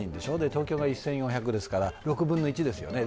東京が１４００ですから６分の１ですよね。